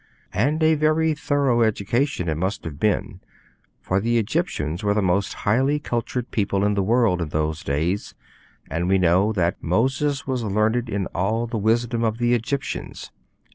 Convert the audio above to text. And a very thorough education it must have been, for the Egyptians were the most highly cultured people in the world in those days, and we know that '_Moses was learned in all the wisdom of the Egyptians.